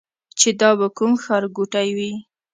چې دا به کوم ښار ګوټی وي.